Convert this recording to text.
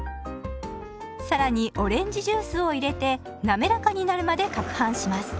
更にオレンジジュースを入れてなめらかになるまでかくはんします。